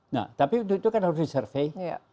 nah tapi untuk itu kan harus disurvey